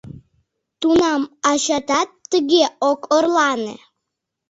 Тунам ачатат тыге ок орлане.